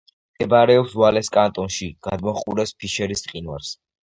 მდებარეობს ვალეს კანტონში; გადმოჰყურებს ფიშერის მყინვარს.